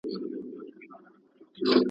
دواړي سترګي یې تړلي وې روان وو ,